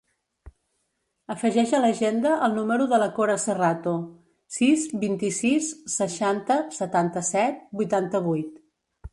Afegeix a l'agenda el número de la Cora Serrato: sis, vint-i-sis, seixanta, setanta-set, vuitanta-vuit.